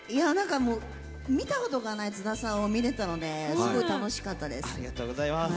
見たことない津田さんを見れたので、よかったです。